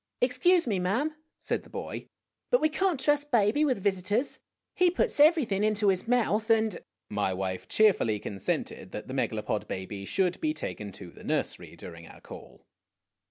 "Excuse me, ma'am," said the boy, "but we can't trust baby with visitors. He puts everything into his mouth, and My wife cheerfully consented that the Megalopod baby should be taken to the nursery during our call.